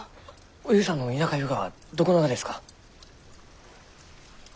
おゆうさんの田舎ゆうがはどこながですか？